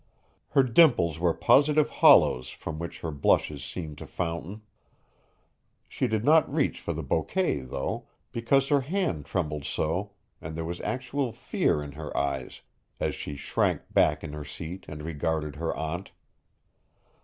Her dimples were positive hollows from which her blushes seemed to fountain. She did not reach for the bouquet, though, because her hand trembled so and there was actual fear in her eyes as she shrank back in her seat and regarded her aunt.